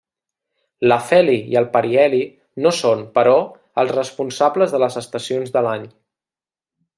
L'afeli i el periheli no són, però, els responsables de les estacions de l'any.